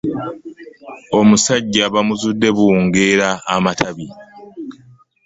Omusajja bamuzudde buwungeera amatabi.